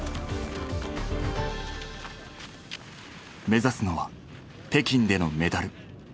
目指すのは北京でのメダル。